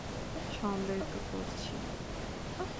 সন্দেহ তো করছি।